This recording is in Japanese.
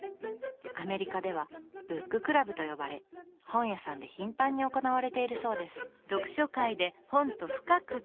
アメリカでは「ブッククラブ」と呼ばれ本屋さんで頻繁に行われているそうです。